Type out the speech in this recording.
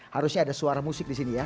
harusnya ada suara musik di sini ya